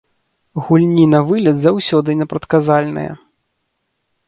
Гульні на вылет заўсёды непрадказальныя.